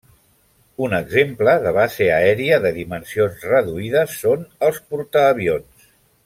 Un exemple de base aèria de dimensions reduïdes són els portaavions.